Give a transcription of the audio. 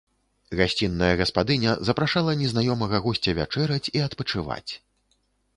Гасцінная гаспадыня запрашала незнаёмага госця вячэраць і адпачываць.